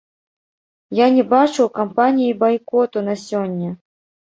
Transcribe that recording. Я не бачу ў кампаніі байкоту на сёння.